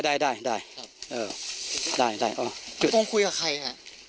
เขาผมคุยกับใคระ